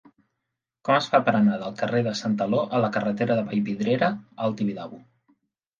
Com es fa per anar del carrer de Santaló a la carretera de Vallvidrera al Tibidabo?